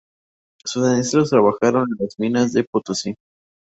Sus ancestros trabajaron en las minas de Potosí.